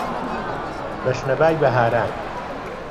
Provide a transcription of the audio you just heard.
بە شنەبای بەهاران